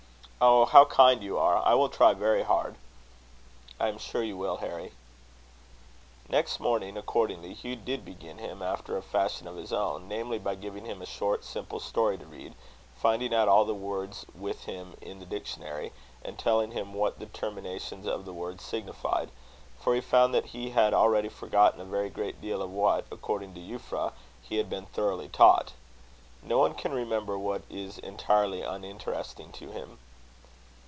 "Oh, how kind you are! I will try very hard." "I am sure you will, Harry." Next morning, accordingly, Hugh did begin him, after a fashion of his own; namely, by giving him a short simple story to read, finding out all the words with him in the dictionary, and telling him what the terminations of the words signified; for he found that he had already forgotten a very great deal of what, according to Euphra, he had been thoroughly taught. No one can remember what is entirely uninteresting to him.